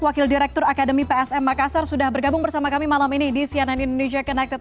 wakil direktur pesak mbak kassar sudah berkabung bersama kami malam ini di cnn indonesia connected